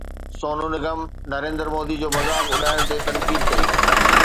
سونو نگم نريندر مودي جو مذاق اڏائڻ تي تنقيد ڪئي